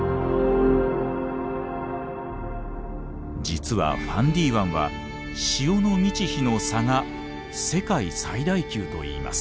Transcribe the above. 実はファンディ湾は潮の満ち干の差が世界最大級といいます。